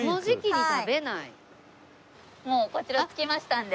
もうこちら着きましたんで。